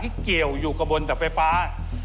เกี่ยวอยู่กับบนดับไฟฟ้า